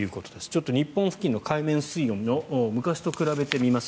ちょっと日本付近の海面水温昔と比べてみます。